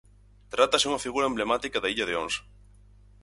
Trátase unha figura emblemática da illa de Ons.